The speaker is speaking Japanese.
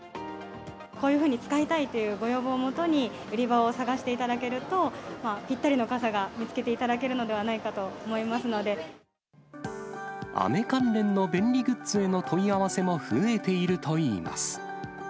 こういうふうに使いたいというご要望をもとに、売り場を探していただけると、ぴったりの傘が見つけていただけるのではないか雨関連の便利グッズへの問い合わせも増えているといいます。